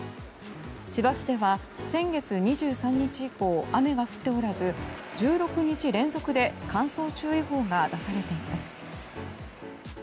千葉市では先月２３日以降雨が降っておらず１６日連続で乾燥注意報が出されています。